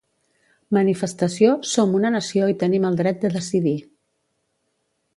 Manifestació «Som una nació i tenim el dret de decidir»